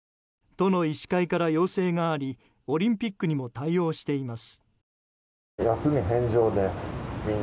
都の医師会から要請がありオリンピックにも対応しています。